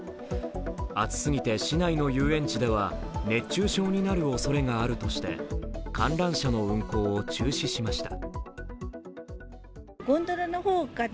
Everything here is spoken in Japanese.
暑すぎて市内の遊園地では熱中症になるおそれがあるとして観覧車の運行を中止しました。